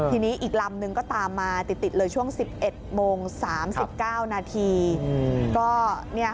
ทีนี้อีกลำนึงก็ตามมาติดเลยช่วง๑๑โมง๓๙นาที